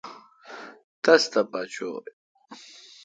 تس تھہ پہ چو°ی۔